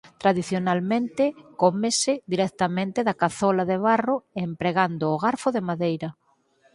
Tradicionalmente comese directamente da cazola de barro e empregando o garfo de madeira.